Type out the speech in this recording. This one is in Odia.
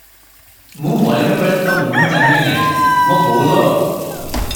ମୁଁ ମରିବାବେଳେ ତୋ ମୁହଁ ଚାହିଁଲି ନାହିଁ, ମୋ ବୋଉ ଲୋ!